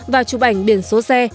và chụp ảnh biển số xe